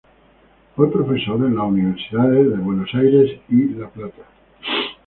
Fue profesor en las Universidades de Buenos Aires y La Plata.